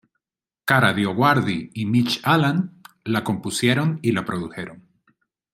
Kara DioGuardi y Mitch Allan la compusieron y la produjeron.